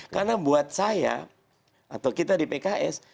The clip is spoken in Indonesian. karena buat saya atau kita di pks